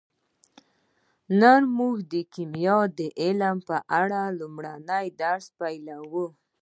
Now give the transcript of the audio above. نن موږ د کیمیا د علم په اړه لومړنی درس پیلوو